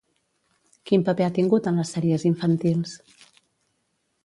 Quin paper ha tingut en les sèries infantils?